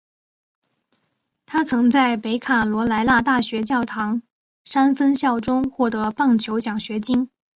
他曾在北卡罗来纳大学教堂山分校中获得棒球奖学金。